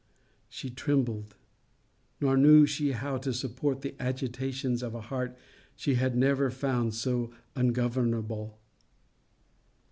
She trembled: nor knew she how to support the agitations of a heart she had never found so ungovernable.